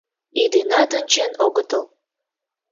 Ӱденат ончен огытыл.